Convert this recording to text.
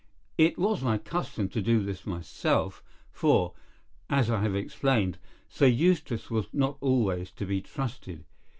It was my custom to do this myself, for, as I have explained, Sir Eustace was not always to be trusted.